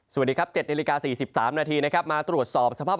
สวัสดีครับเจ็ดนิริกา๔๓นาทีมาตรวจสอบสภาพ